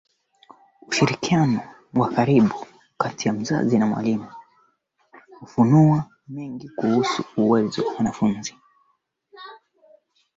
vijana hutumia dawa za kulevya kwa sababu hawana la kufanya